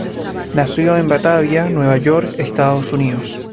Nació en Batavia, Nueva York, Estados Unidos.